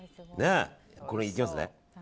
これいきますね。